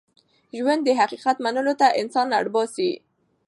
ژوند د حقیقت منلو ته انسان اړ باسي.